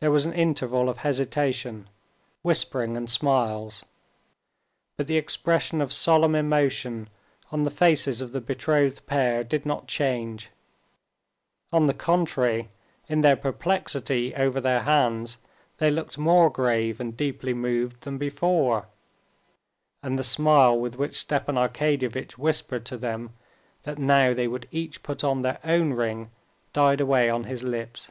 There was an interval of hesitation, whispering, and smiles; but the expression of solemn emotion on the faces of the betrothed pair did not change: on the contrary, in their perplexity over their hands they looked more grave and deeply moved than before, and the smile with which Stepan Arkadyevitch whispered to them that now they would each put on their own ring died away on his lips.